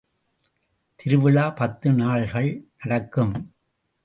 திருவிழா பத்து நாள்கள் நடக்கும்.